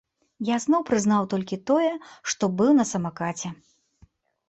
Я зноў прызнаў толькі тое, што быў на самакаце.